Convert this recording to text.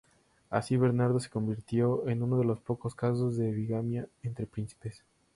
Así, Bernardo se convirtió en uno de los pocos casos de bigamia entre príncipes.